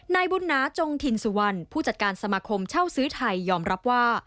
นายบุญนาจงถิ่นสุวรรณผู้จัดการสมาคมเช่าซื้อไทยยอมรับว่า